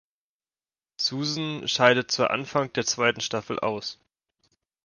Susan scheidet zu Anfang der zweiten Staffel aus.